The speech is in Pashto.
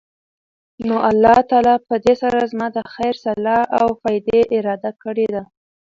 نو الله تعالی پدي سره زما د خير، صلاح او فائدي اراده کړي ده